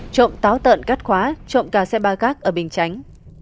trộm táo tợn cắt khóa trộm cà xe ba gác ở bình chánh